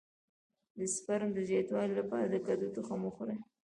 د سپرم د زیاتوالي لپاره د کدو تخم وخورئ